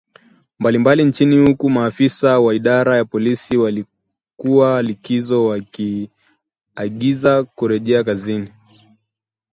mbalimbali nchini huku maafisa wa idara ya polisi waliokuwa likizoni wakiagizwa kurejea kazini